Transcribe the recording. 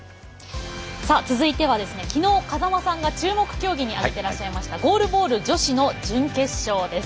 続いてはきのう風間さんが注目競技に挙げていらっしゃいましたゴールボール女子の準決勝です。